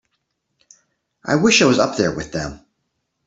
I wish I was up there with them.